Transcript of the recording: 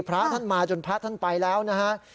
พระท่านมาจนพระท่านไปแล้วนะฮะ